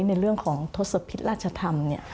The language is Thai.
ในเรื่องของทศพิษราชธรรม